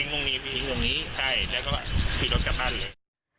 ทิ้งตรงนี้ทิ้งตรงนี้ใช่แล้วก็พี่รถกับมันเลย